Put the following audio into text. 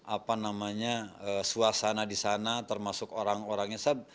apa namanya suasana di sana termasuk orang orangnya